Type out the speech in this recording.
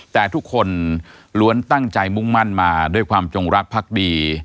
แต่ทุกคนล้วนตั้งใจมุ่งมั่นมาด้วยความจงรักพักดี